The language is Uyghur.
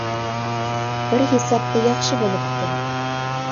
بىر ھېسابتا ياخشى بولۇپتۇ.